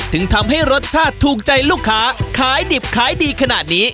ถึงทำให้รสชาติถูกใจลูกค้าขายดิบขายดีขนาดนี้